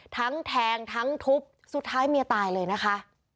แทงทั้งทุบสุดท้ายเมียตายเลยนะคะ